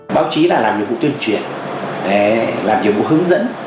báo chí là làm những vụ tuyên truyền làm những vụ hướng dẫn